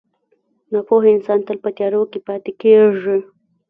• ناپوهه انسان تل په تیارو کې پاتې کېږي.